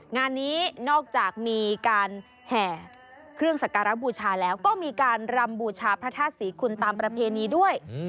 งานนี้นอกจากมีการแห่เครื่องสักการะบูชาแล้วก็มีการรำบูชาพระธาตุศรีคุณตามประเพณีด้วย